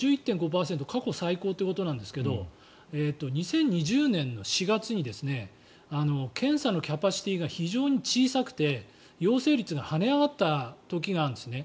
過去最高ってことなんですが２０２０年の４月に検査のキャパシティーが非常に小さくて陽性率が跳ね上がった時なんですね。